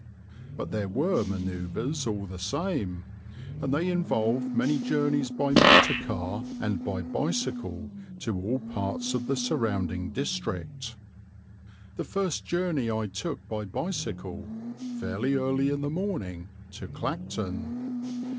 But there were manoeuvres all the same, and they involved many journeys by motor car and by bicycle to all parts of the surrounding district. The first journey I took by bicycle, fairly early in the morning, to Clacton.